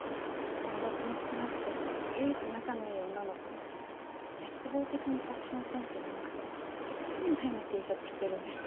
友達も少なくて唯一仲のいい女の子も絶望的にファッションセンスがなくていっつも変なＴシャツ着てるんです。